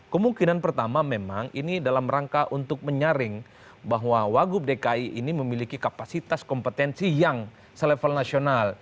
kemungkinan pertama memang ini dalam rangka untuk menyaring bahwa wagub dki ini memiliki kapasitas kompetensi yang selevel nasional